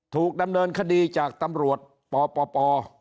ถูกดำเนินคดีจากตำรวจปป